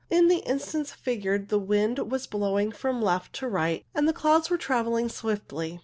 In the instance figured the wind was blowing from left to right, and the clouds were travelling swiftly.